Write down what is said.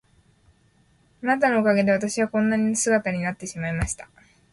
あなたのおかげで私はこんな姿になってしまいました。